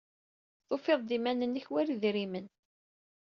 Tufid-d iman-nnek war idrimen.